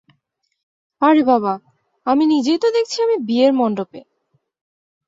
- আরে বাবা, আমি নিজেই তো দেখছি আমি বিয়ের মন্ডপে।